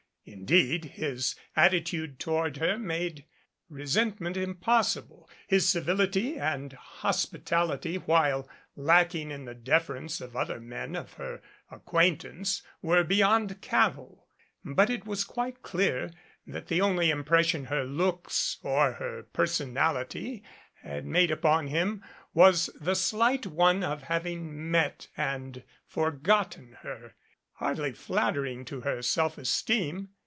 Indeed his attitude toward her made resentment impossible. His civility and hospitality, while lacking in the deference of other men of her ac quaintance, were beyond cavil. But it was quite clear that the only impression her looks or her personality had made upon him was the slight one of having met and forgotten her hardly flattering to her self esteem.